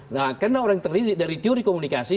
nah karena orang yang terdidik dari teori komunikasi